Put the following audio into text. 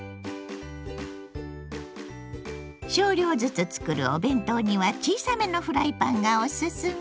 少量ずつ作るお弁当には小さめのフライパンがオススメ！